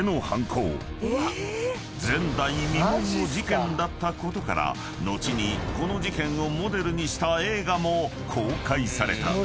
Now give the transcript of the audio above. ［前代未聞の事件だったことから後にこの事件をモデルにした映画も公開された］